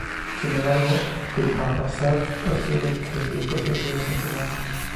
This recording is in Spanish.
Sin embargo, Al-Assad percibe que su presencia es un problema.